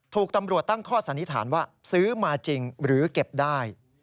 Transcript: ถูกตำรวจตั้งข้อสันนิษฐานว่าซื้อมาจริงหรือเก็บได้